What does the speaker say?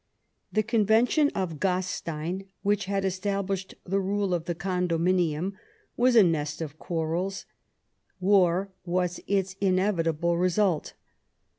The Convention of Gastein, which had established the rule of the Condominium, was a nest of quarrels ; war was its inevitable result.